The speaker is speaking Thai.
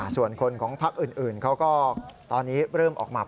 ส่วนคนของพักอื่นเขาก็ตอนนี้เริ่มออกมา